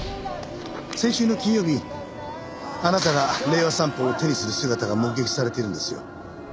先週の金曜日あなたが『令和散歩』を手にする姿が目撃されてるんですよ。